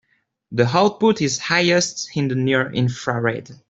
The output is highest in the near infrared.